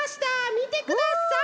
みてください！